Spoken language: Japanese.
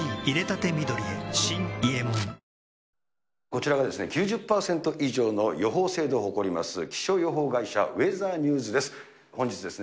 こちらがですね、９０％以上の予報精度を誇ります、気象予報会社、ウェザーニューズです。